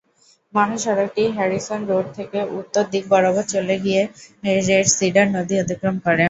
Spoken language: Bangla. মহাসড়কটি হ্যারিসন রোড থেকে উত্তর দিক বরাবর চলে গিয়ে রেড সিডার নদী অতিক্রম করে।